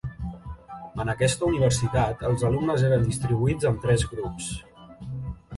En aquesta universitat, els alumnes eren distribuïts en tres grups.